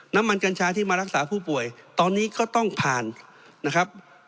กัญชาที่มารักษาผู้ป่วยตอนนี้ก็ต้องผ่านนะครับ